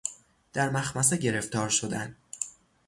در مخمصه گرفتار شدن